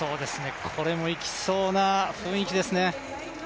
これも行きそうな雰囲気ですね。